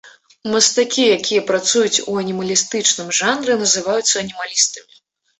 Мастакі, якія працуюць у анімалістычным жанры, называюцца анімалістамі.